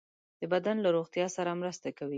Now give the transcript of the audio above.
د بدن له روغتیا سره مرسته کوي.